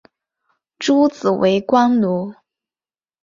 诸子为官奴。